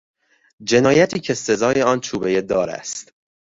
جنایتی که سزای آن چوبهی دار است